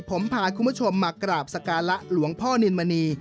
ผมพาคุณผู้ชมมากราบสการะหลวงพ่อนินมณี